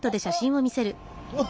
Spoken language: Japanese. あっ！